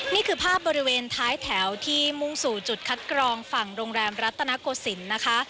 นี่คือภาพบริเวณท้ายแถวที่มุ่งสู่จุดคัดกรองฝั่งโรงแรมรัตนโกศิลป์นะคะ